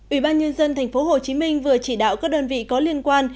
ủy ban nhân dân tp hcm vừa chỉ đạo các đơn vị có liên quan